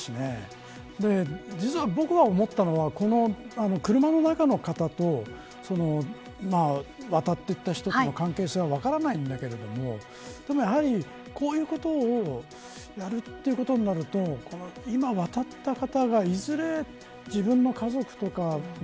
実は僕が思ったのはこの車の中の方と渡っていった人との関係性は分からないんだけれどもでもやはり、こういうことをやるということになると今、渡った方がいずれ、自分の家族とかが